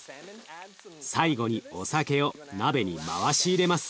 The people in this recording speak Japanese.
最後にお酒を鍋に回し入れます。